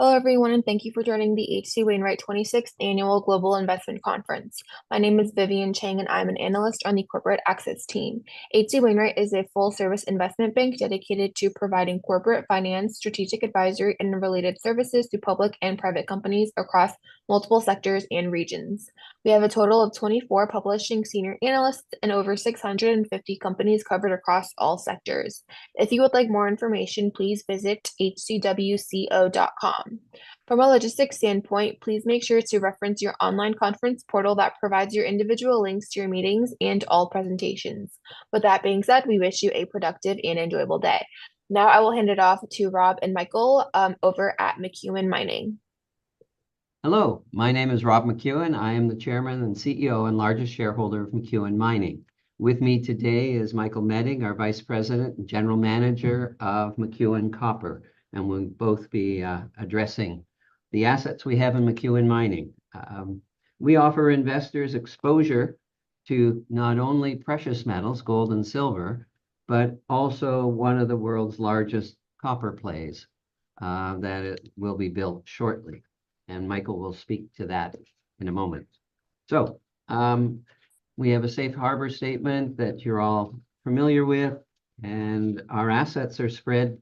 Hello, everyone, and thank you for joining the H.C. Wainwright 26th Annual Global Investment Conference. My name is Vivian Chang, and I'm an analyst on the corporate access team. H.C. Wainwright is a full-service investment bank dedicated to providing corporate finance, strategic advisory, and related services to public and private companies across multiple sectors and regions. We have a total of 24 publishing senior analysts and over 650 companies covered across all sectors. If you would like more information, please visit hcwco.com. From a logistics standpoint, please make sure to reference your online conference portal that provides your individual links to your meetings and all presentations. With that being said, we wish you a productive and enjoyable day. Now I will hand it off to Rob and Michael over at McEwen Mining. Hello, my name is Rob McEwen. I am the Chairman and CEO and largest shareholder of McEwen Mining. With me today is Michael Meding, our vice president and general manager of McEwen Copper, and we'll both be addressing the assets we have in McEwen Mining. We offer investors exposure to not only precious metals, gold and silver, but also one of the world's largest copper plays that will be built shortly, and Michael will speak to that in a moment. We have a safe harbor statement that you're all familiar with, and our assets are spread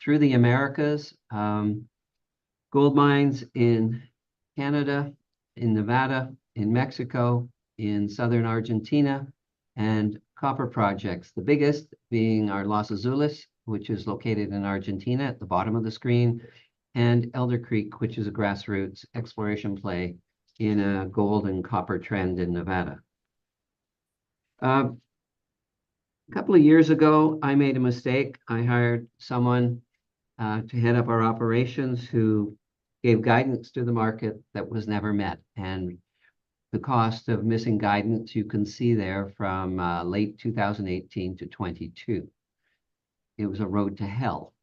through the Americas. Gold mines in Canada, in Nevada, in Mexico, in southern Argentina, and copper projects, the biggest being our Los Azules, which is located in Argentina, at the bottom of the screen, and Elder Creek, which is a grassroots exploration play in a gold and copper trend in Nevada. A couple of years ago, I made a mistake. I hired someone to head up our operations, who gave guidance to the market that was never met, and the cost of missing guidance, you can see there from late 2018-2022. It was a road to hell.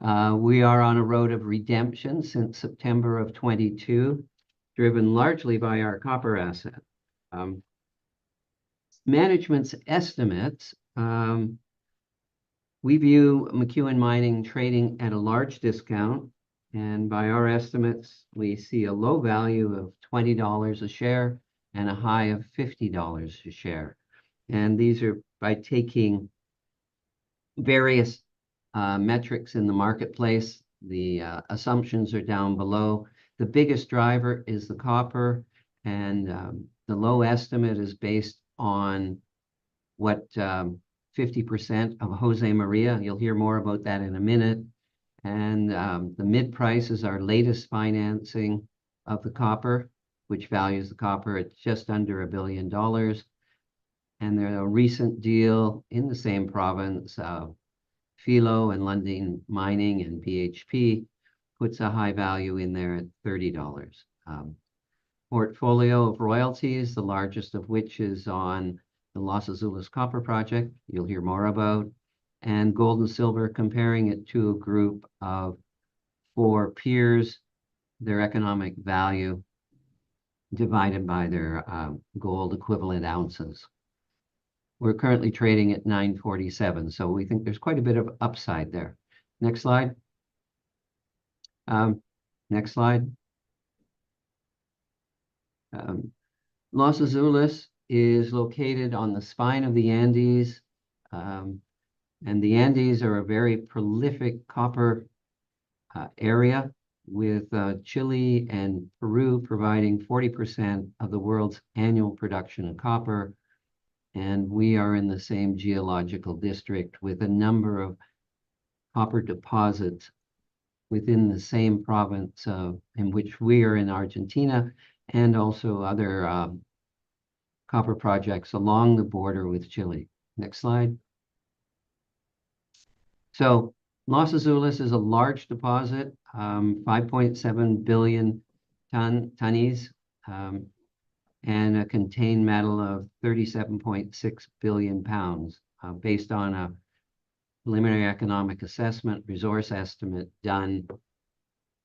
We are on a road of redemption since September of 2022, driven largely by our copper asset. Management's estimates, we view McEwen Mining trading at a large discount, and by our estimates, we see a low value of $20-$50 a share, and these are by taking various metrics in the marketplace. The assumptions are down below. The biggest driver is the copper, and the low estimate is based on what, 50% of Josemaria—you'll hear more about that in a minute. The mid-price is our latest financing of the copper, which values the copper at just under $1 billion, and there's a recent deal in the same province, Filo and Lundin Mining, and BHP puts a high value in there at $30. Portfolio of royalties, the largest of which is on the Los Azules copper project, you'll hear more about, and gold and silver, comparing it to a group of four peers, their economic value divided by their gold equivalent ounces. We're currently trading at $9.47, so we think there's quite a bit of upside there. Next slide. Next slide. Los Azules is located on the spine of the Andes, and the Andes are a very prolific copper area, with Chile and Peru providing 40% of the world's annual production of copper, and we are in the same geological district, with a number of copper deposits within the same province, in which we are in Argentina, and also other copper projects along the border with Chile. Next slide. Los Azules is a large deposit, 5.7 billion tonnes and a contained metal of 37.6 billion pounds, based on a preliminary economic assessment resource estimate done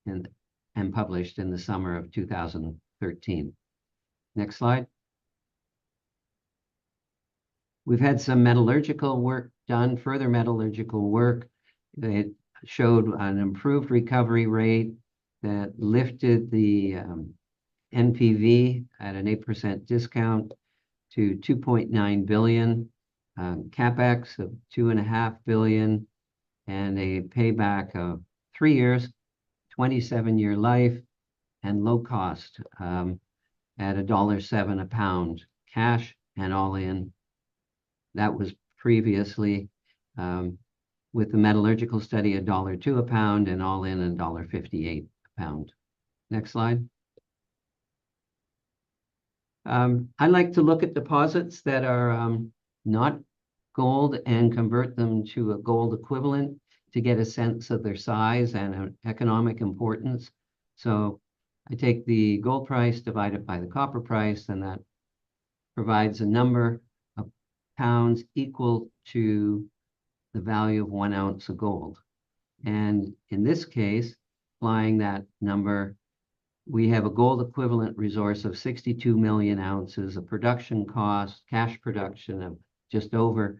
and published in the summer of 2013. Next slide. We've had some metallurgical work done, further metallurgical work, that showed an improved recovery rate that lifted the NPV at an 8% discount to $2.9 billion, CapEx of $2.5 billion, and a payback of three years, 27-year life, and low cost at $1.07 a pound, cash and all in. That was previously, with the metallurgical study, $1.02 a pound, and all in, $1.58 a pound. Next slide. I like to look at deposits that are not gold and convert them to a gold equivalent to get a sense of their size and economic importance. So I take the gold price, divide it by the copper price, and that provides a number of pounds equal to the value of one ounce of gold. And in this case, we have a gold equivalent resource of 62 million ounces, a production cost, cash production of just over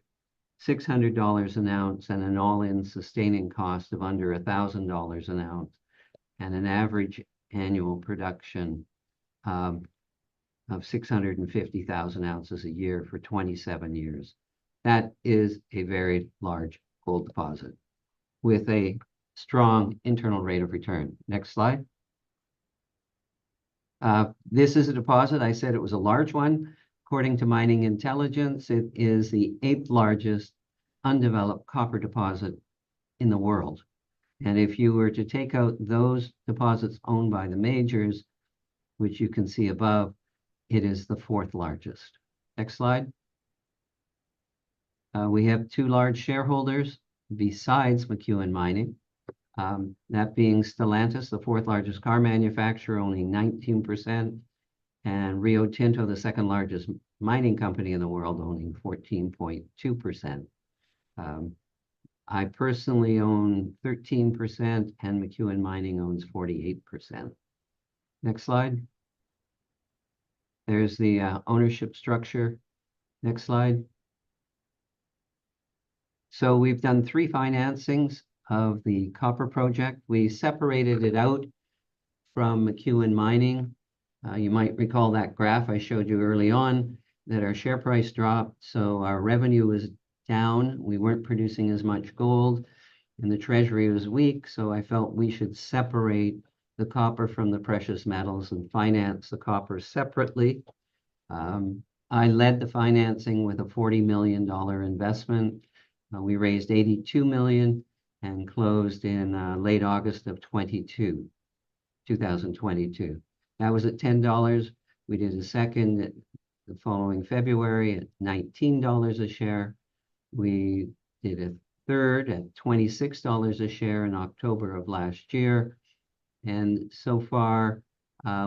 $600 an ounce, and an all-in sustaining cost of under $1,000 an ounce, and an average annual production of 650,000 ounces a year for 27 years. That is a very large gold deposit with a strong internal rate of return. Next slide. This is a deposit. I said it was a large one. According to Mining Intelligence, it is the eighth largest undeveloped copper deposit in the world, and if you were to take out those deposits owned by the majors, which you can see above, it is the fourth largest. Next slide. We have two large shareholders besides McEwen Mining, that being Stellantis, the fourth largest car manufacturer, owning 19%, and Rio Tinto, the second largest mining company in the world, owning 14.2%. I personally own 13%, and McEwen Mining owns 48%. Next slide. There's the ownership structure. Next slide. So we've done three financings of the copper project. We separated it out from McEwen Mining. You might recall that graph I showed you early on, that our share price dropped, so our revenue was down. We weren't producing as much gold, and the treasury was weak, so I felt we should separate the copper from the precious metals and finance the copper separately. I led the financing with a $40 million investment. We raised $82 million and closed in late August of 2022, 2022. That was at $10. We did a second at the following February at $19 a share. We did a third at $26 a share in October of last year, and so far,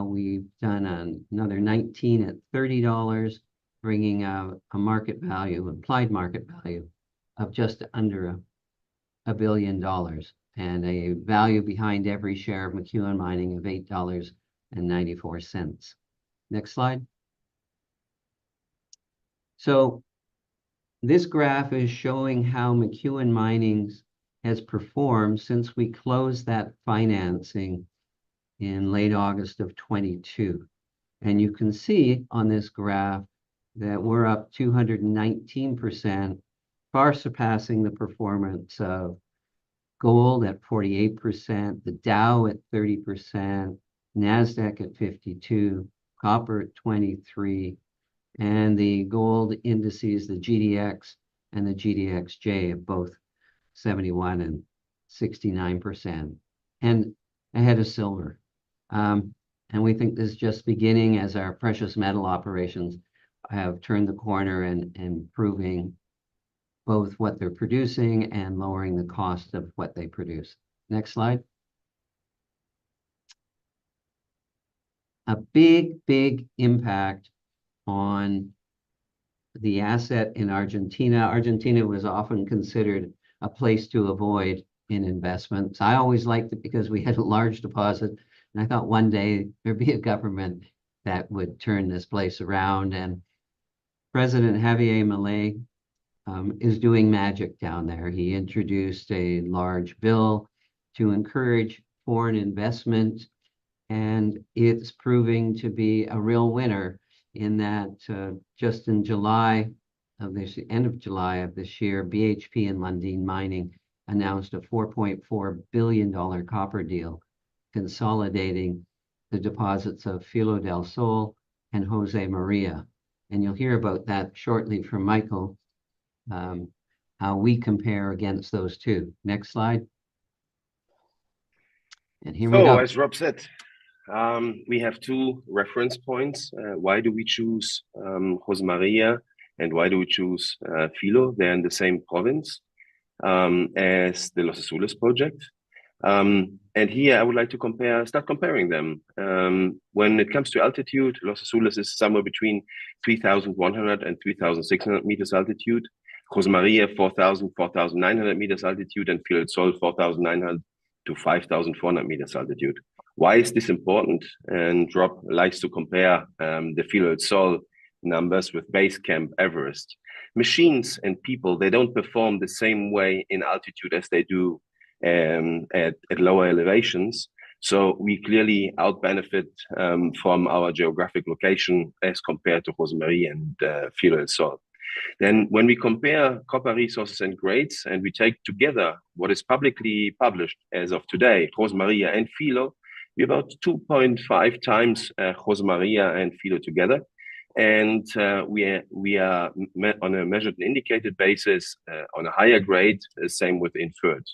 we've done another $19 million at $30, bringing our market value, implied market value, of just under $1 billion, and a value behind every share of McEwen Mining of $8.94. Next slide. This graph is showing how McEwen Mining has performed since we closed that financing in late August of 2022. And you can see on this graph that we're up 219%, far surpassing the performance of gold at 48%, the Dow at 30%, Nasdaq at 52%, copper at 23%, and the gold indices, the GDX and the GDXJ, at both 71% and 69%, and ahead of silver. And we think this is just beginning, as our precious metal operations have turned the corner in improving both what they're producing and lowering the cost of what they produce. Next slide. A big, big impact on the asset in Argentina. Argentina was often considered a place to avoid in investments. I always liked it because we had a large deposit, and I thought one day there'd be a government that would turn this place around, and President Javier Milei is doing magic down there. He introduced a large bill to encourage foreign investment, and it's proving to be a real winner in that, just at the end of July of this year, BHP and Lundin Mining announced a $4.4 billion copper deal, consolidating the deposits of Filo del Sol and Josemaria. And you'll hear about that shortly from Michael, how we compare against those two. Next slide. And here we go. So as Rob said, we have two reference points. Why do we choose Josemaria, and why do we choose Filo? They're in the same province as the Los Azules project. And here I would like to compare them. When it comes to altitude, Los Azules is somewhere between 3,100 and 3,600 meters altitude. Josemaria, 4,900 meters altitude, and Filo del Sol, 4,900-5,400 meters altitude. Why is this important? And Rob likes to compare the Filo del Sol numbers with Base Camp Everest. Machines and people, they don't perform the same way in altitude as they do at lower elevations. So we clearly out benefit from our geographic location as compared to Josemaria and Filo del Sol. Then, when we compare copper resources and grades, and we take together what is publicly published as of today, Josemaria and Filo, we're about 2.5x Josemaria and Filo together. And we are on a measured and indicated basis on a higher grade. The same with inferred.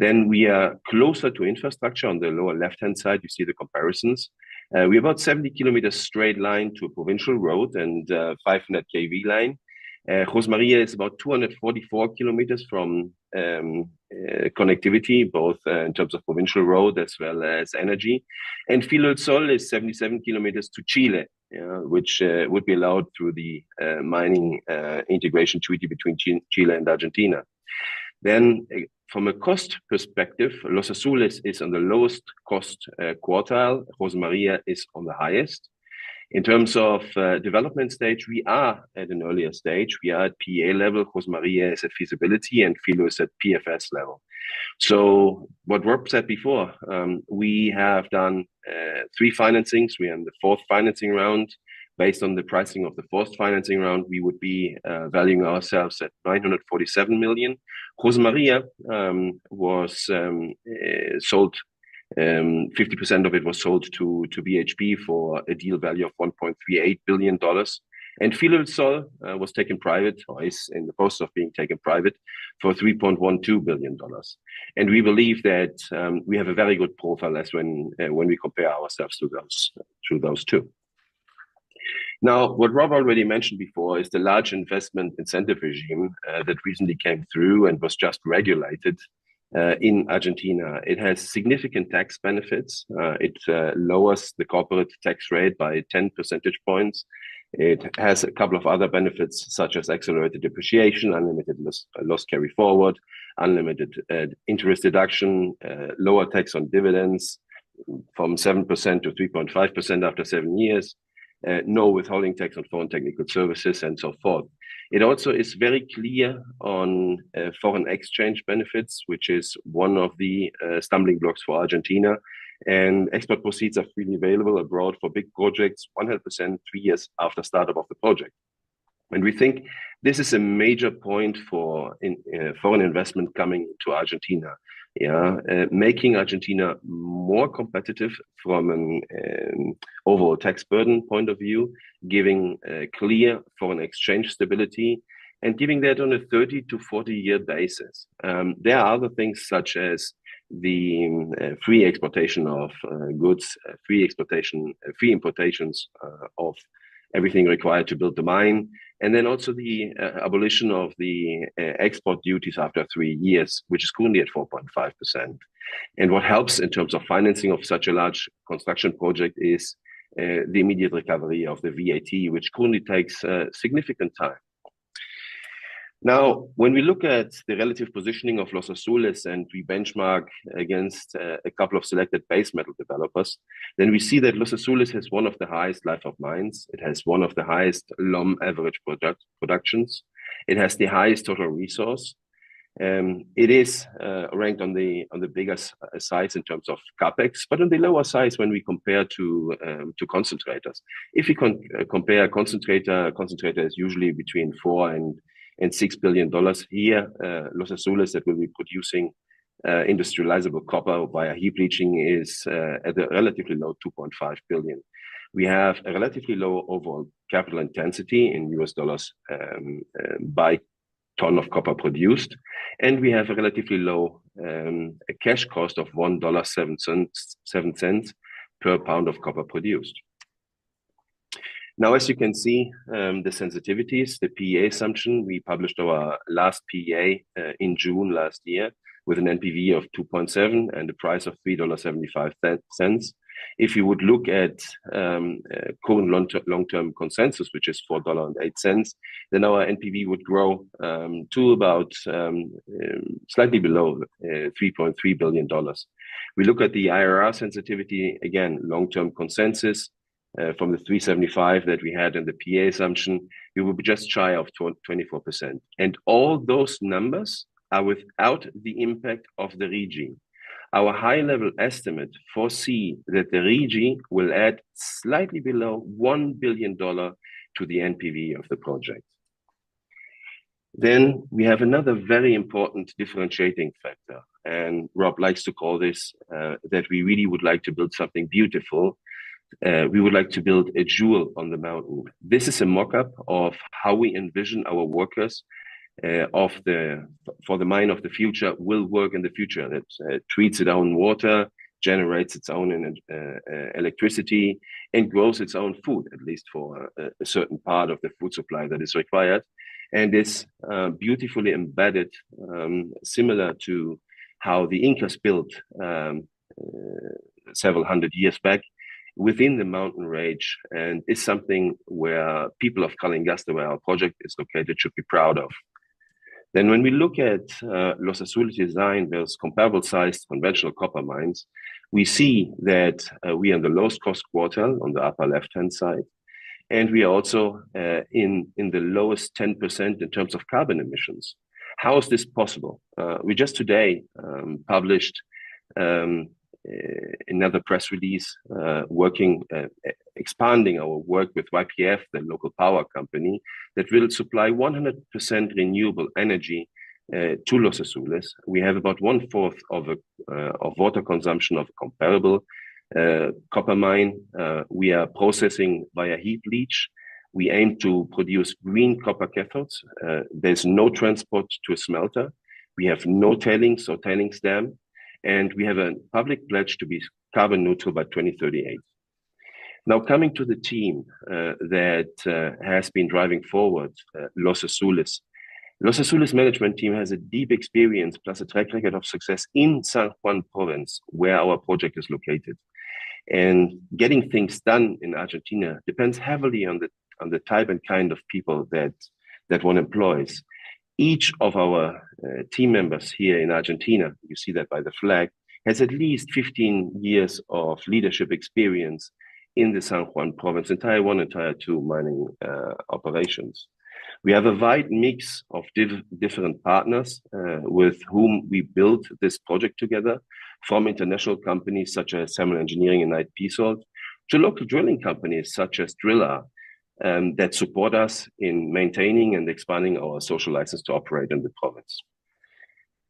We are closer to infrastructure. On the lower left-hand side, you see the comparisons. We're about 70 kilometers straight line to a provincial road and a 500 kV line. Josemaria is about 244 kilometers from connectivity, both in terms of provincial road as well as energy. And Filo del Sol is 77 kilometers to Chile, which would be allowed through the mining integration treaty between Chile and Argentina. Then from a cost perspective, Los Azules is on the lowest cost quartile. Josemaria is on the highest. In terms of development stage, we are at an earlier stage. We are at PEA level, Josemaria is at feasibility, and Filo del Sol is at PFS level. So what Rob said before, we have done three financings. We are in the fourth financing round. Based on the pricing of the fourth financing round, we would be valuing ourselves at $947 million. Josemaria was sold. 50% of it was sold to BHP for a deal value of $1.38 billion. And Filo del Sol was taken private or is in the process of being taken private for $3.12 billion. We believe that we have a very good profile as when we compare ourselves to those two. Now, what Rob already mentioned before is the large investment incentive regime that recently came through and was just regulated in Argentina. It has significant tax benefits. It lowers the corporate tax rate by 10 percentage points. It has a couple of other benefits, such as accelerated depreciation, unlimited loss carry forward, unlimited interest deduction, lower tax on dividends from 7%-3.5% after seven years, no withholding tax on foreign technical services, and so forth. It also is very clear on foreign exchange benefits, which is one of the stumbling blocks for Argentina, and export proceeds are freely available abroad for big projects, 100% three years after startup of the project. We think this is a major point for foreign investment coming to Argentina, making Argentina more competitive from an overall tax burden point of view, giving clear foreign exchange stability, and giving that on a 30 to 40 year basis. There are other things, such as the free exportation of goods, free importations of everything required to build the mine, and then also the abolition of the export duties after three years, which is currently at 4.5%. What helps in terms of financing of such a large construction project is the immediate recovery of the VAT, which currently takes significant time. Now, when we look at the relative positioning of Los Azules, and we benchmark against a couple of selected base metal developers, then we see that Los Azules has one of the highest life of mines. It has one of the highest LOM average production. It has the highest total resource. It is ranked on the bigger size in terms of CapEx, but on the lower size when we compare to concentrators. If you compare concentrator, concentrator is usually between $4 billion and $6 billion. Here, Los Azules that will be producing industrializable copper via heap leaching is at a relatively low $2.5 billion. We have a relatively low overall capital intensity in U.S. dollars per ton of copper produced, and we have a relatively low cash cost of $1.07 per pound of copper produced. Now, as you can see, the sensitivities, the PEA assumption, we published our last PEA in June last year, with an NPV of 2.7 and a price of $3.75. If you would look at current long-term consensus, which is $4.08, then our NPV would grow to about slightly below $3.3 billion. We look at the IRR sensitivity, again, long-term consensus, from the 375 that we had in the PEA assumption, it would be just shy of 24%, and all those numbers are without the impact of the regime. Our high-level estimate foresee that the regime will add slightly below $1 billion to the NPV of the project. Then we have another very important differentiating factor, and Rob likes to call this, that we really would like to build something beautiful. We would like to build a jewel on the mountain. This is a mock-up of how we envision our workers for the mine of the future, will work in the future. It treats its own water, generates its own electricity, and grows its own food, at least for a certain part of the food supply that is required. And it's beautifully embedded, similar to how the Incas built several hundred years back within the mountain range, and it's something where people of Calingasta, where our project is located, should be proud of. Then, when we look at Los Azules' design versus comparable-sized conventional copper mines, we see that we are in the lowest cost quartile on the upper left-hand side, and we are also in the lowest 10% in terms of carbon emissions. How is this possible? We just today published another press release working expanding our work with YPF, the local power company, that will supply 100% renewable energy to Los Azules. We have about one-fourth of water consumption of comparable copper mine. We are processing via heap leach. We aim to produce green copper cathodes. There's no transport to a smelter. We have no tailings or tailings dam, and we have a public pledge to be carbon neutral by 2038. Now, coming to the team that has been driving forward Los Azules. Los Azules' management team has a deep experience, plus a track record of success in San Juan Province, where our project is located, and getting things done in Argentina depends heavily on the type and kind of people that one employs. Each of our team members here in Argentina, you see that by the flag, has at least 15 years of leadership experience in the San Juan Province in Tier One and Tier Two mining operations. We have a wide mix of different partners with whom we built this project together, from international companies such as Samuel Engineering and Knight Piésold, to local drilling companies such as Drilla that support us in maintaining and expanding our social license to operate in the province.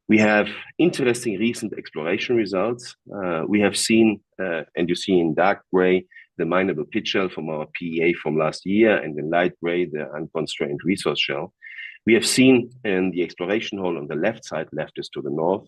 We have interesting recent exploration results. We have seen, and you see in dark gray, the mineable pit shell from our PEA from last year, and in light gray, the unconstrained resource shell. We have seen in the exploration hole on the left side, left is to the north,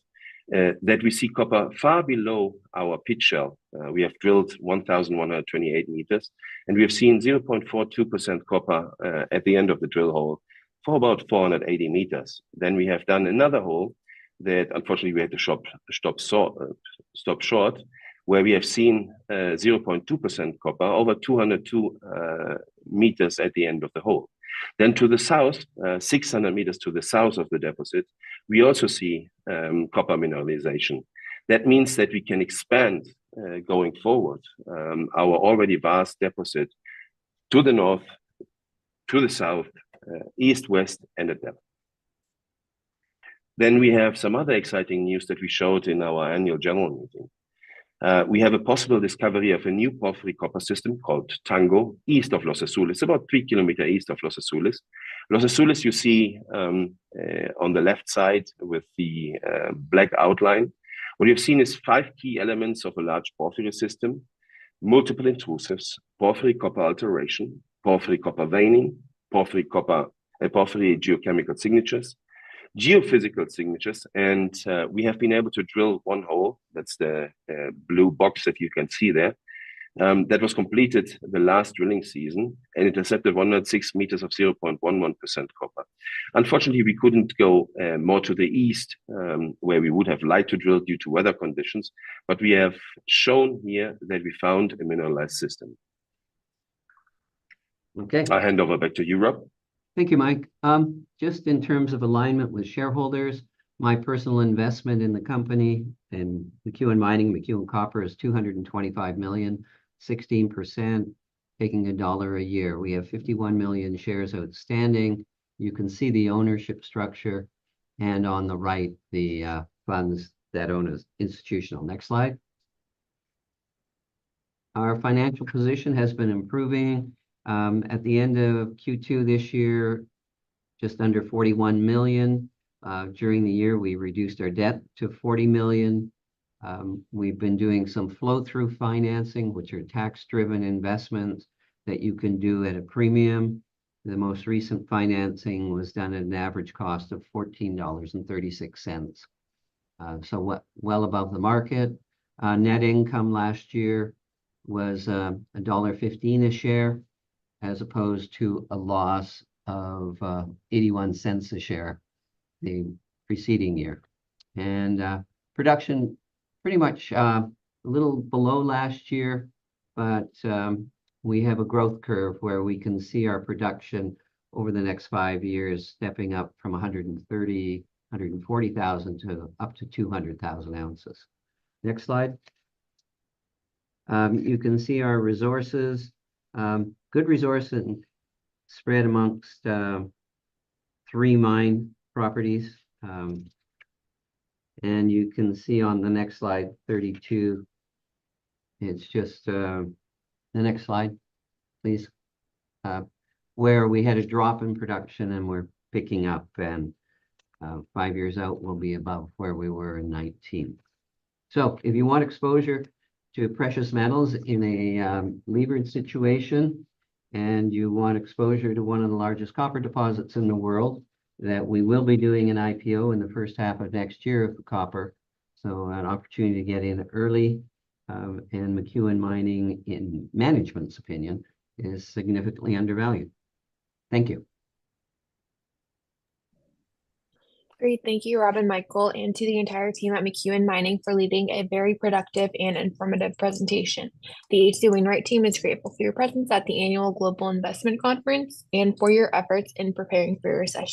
that we see copper far below our pit shell. We have drilled 1,128 meters, and we have seen 0.42% copper at the end of the drill hole for about 480 meters. Then we have done another hole that unfortunately we had to stop short, where we have seen 0.2% copper over 202 meters at the end of the hole. Then to the south, 600 meters to the south of the deposit, we also see copper mineralization. That means that we can expand going forward our already vast deposit to the north, to the south, east, west, and the south. Then we have some other exciting news that we showed in our annual general meeting. We have a possible discovery of a new porphyry copper system called Tango, east of Los Azules. It's about three km east of Los Azules. Los Azules you see, on the left side with the, black outline. What we have seen is five key elements of a large porphyry system: multiple intrusives, porphyry copper alteration, porphyry copper veining, porphyry copper, porphyry geochemical signatures, geophysical signatures, and, we have been able to drill one hole, that's the, blue box that you can see there, that was completed the last drilling season, and it intercepted 106 meters of 0.11% copper. Unfortunately, we couldn't go, more to the east, where we would have liked to drill due to weather conditions, but we have shown here that we found a mineralized system. Okay. I hand over back to you, Rob. Thank you, Mike. Just in terms of alignment with shareholders, my personal investment in the company and McEwen Mining, McEwen Copper, is $225 million, 16%, making $1 a year. We have 51 million shares outstanding. You can see the ownership structure, and on the right, the funds that own is institutional. Next slide. Our financial position has been improving. At the end of Q2 this year, just under $41 million. During the year, we reduced our debt to $40 million. We've been doing some flow-through financing, which are tax-driven investments that you can do at a premium. The most recent financing was done at an average cost of $14.36, so well above the market. Net income last year was $1.15 a share, as opposed to a loss of $0.81 a share the preceding year. Production pretty much a little below last year, but we have a growth curve where we can see our production over the next five years stepping up from 130,000-140,000 to up to 200,000 ounces. Next slide. You can see our resources, good resource and spread amongst three mine properties. You can see on the next slide, 32, it's just... The next slide, please. Where we had a drop in production, and we're picking up, and five years out, we'll be about where we were in 2019. So if you want exposure to precious metals in a levered situation, and you want exposure to one of the largest copper deposits in the world, that we will be doing an IPO in the first half of next year for copper, so an opportunity to get in early, and McEwen Mining, in management's opinion, is significantly undervalued. Thank you. Great. Thank you, Rob and Michael, and to the entire team at McEwen Mining for leading a very productive and informative presentation. The H.C. Wainwright team is grateful for your presence at the Annual Global Investment Conference and for your efforts in preparing for your session.